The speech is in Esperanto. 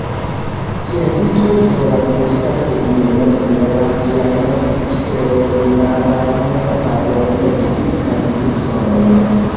Sciencistoj en la Universitato de Vieno esploras ĝiajn eksterordinarajn kapablojn distingi kaj imiti sonojn.